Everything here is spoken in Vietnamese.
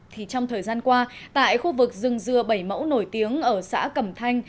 thì trong thời gian qua tại khu vực rừng dừa bảy mẫu nổi tiếng ở xã cẩm thanh